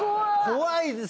怖いですね。